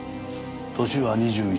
年は２１。